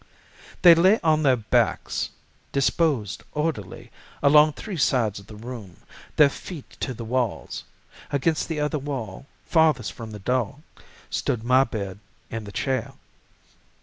"They lay on their backs, disposed orderly along three sides of the room, their feet to the walls—against the other wall, farthest from the door, stood my bed and the chair.